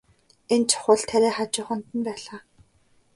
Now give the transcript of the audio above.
Энэ чухал тариа хажууханд нь байлаа.